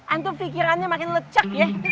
antum pikirannya makin lecek ya